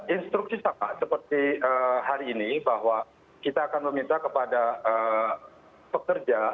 instruksi sama seperti hari ini bahwa kita akan meminta kepada pekerja